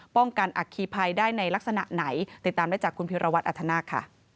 กันอัคคีภัยได้ในลักษณะไหนติดตามได้จากคุณพิรวัตรอัธนาคค่ะ